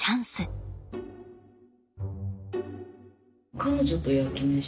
彼女と焼き飯？